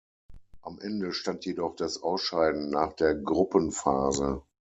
Am Ende stand jedoch das Ausscheiden nach der Gruppenphase.